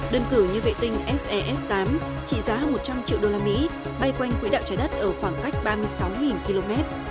đơn cử như vệ tinh ses tám trị giá một trăm linh triệu usd bay quanh quỹ đạo trái đất ở khoảng cách ba mươi sáu km